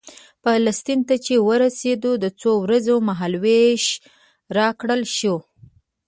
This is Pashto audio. فلسطین ته چې ورسېدو د څو ورځو مهال وېش راکړل شو.